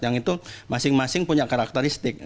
yang itu masing masing punya karakteristik